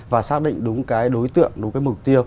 và xác định đúng cái đối tượng đúng cái mục tiêu